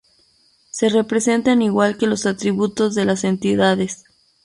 Se representan igual que los atributos de las entidades.